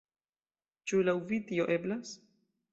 Ĉu laŭ vi tio eblas?